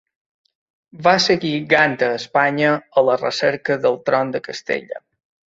Va seguir Gant a Espanya a la recerca del tron de Castella.